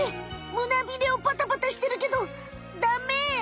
むなビレをパタパタしてるけどダメ？